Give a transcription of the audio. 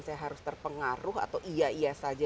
saya harus terpengaruh atau iya iya saja